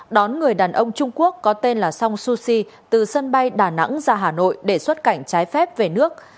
đón người đàn ông trung quốc có tên là song suu kyi từ sân bay đà nẵng ra hà nội để xuất cảnh trái phép về nước